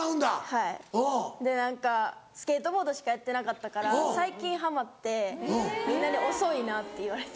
はいで何かスケートボードしかやってなかったから最近ハマってみんなに遅いなって言われて。